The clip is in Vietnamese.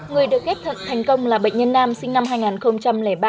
người được ghép thận thành công là bệnh nhân nam sinh năm hai nghìn ba